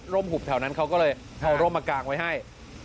หุบแถวนั้นเขาก็เลยเอาร่มมากางไว้ให้